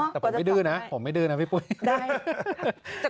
แต่ผมไม่ดื้อนะผมไม่ดื้อนะพี่ปุ้ย